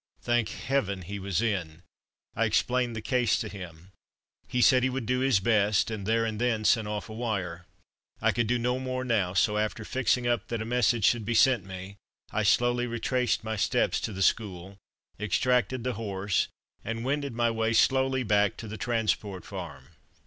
Thank heaven, he was in! I explained the case to him. He said he would do his best, and there and then sent off a wire. I could do no more now, so after fixing up that a message should be sent me, I slowly retraced my steps to the school, extracted the horse, and wended my way slowly back to the Transport Farm.